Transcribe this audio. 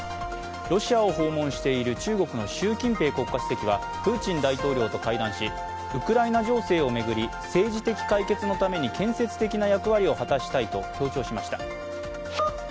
ロシアを訪問している中国の習近平国家主席はプーチン大統領と会談し、ウクライナ情勢を巡り政治的解決のために建設的な役割を果たしたいと強調しました。